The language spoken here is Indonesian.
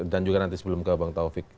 dan juga nanti sebelum ke bang taufik